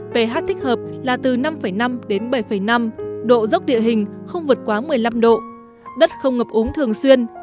ph thích hợp là từ năm năm đến bảy năm độ dốc địa hình không vượt quá một mươi năm độ đất không ngập uống thường xuyên